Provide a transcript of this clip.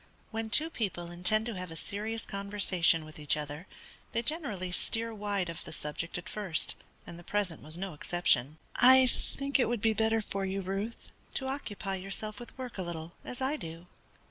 When two people intend to have a serious conversation with each other, they generally steer wide of the subject at first, and the present was no exception. "I think it would be better for you, Ruth, to occupy yourself with work a little, as I do."